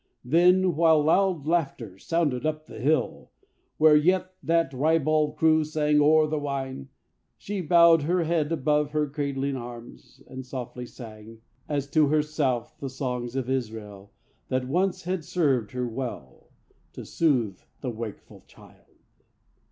Then, while loud laughter sounded up the hill Where yet that ribald crew sang o'er the wine, She bowed her head above her cradling arms And softly sang, as to herself, the songs Of Israel that once had served her well To soothe the wakeful child.